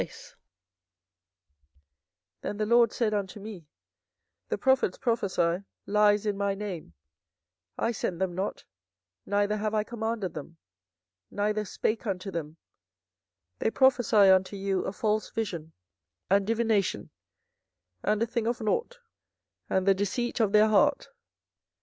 24:014:014 Then the LORD said unto me, The prophets prophesy lies in my name: I sent them not, neither have I commanded them, neither spake unto them: they prophesy unto you a false vision and divination, and a thing of nought, and the deceit of their heart.